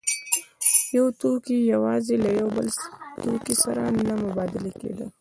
یو توکی یوازې له یو بل توکي سره نه مبادله کېده